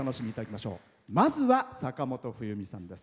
まずは坂本冬美さんです。